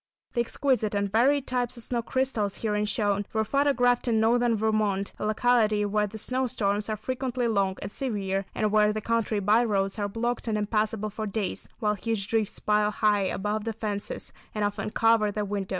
The exquisite and varied types of snow crystals herein shown, were photographed in northern Vermont; a locality where the snow storms are frequently long and severe and where the country by roads are blocked and impassable for days, while huge drifts pile high above the fences, and often cover the windows.